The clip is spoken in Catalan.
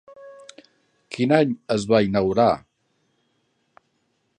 Quin any es va inaugurar?